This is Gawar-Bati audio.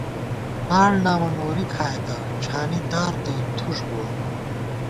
ناڑ نامہ نوری کھائېتہ ، ڄھانی دار تہ تھُݭ بُوَہ